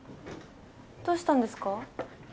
どうしたんですか？